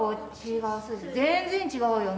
全然違うよね。